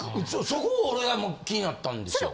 そこ俺も気になったんですよ。